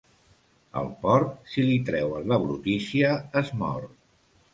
Al porc, si li treuen la brutícia, es mor.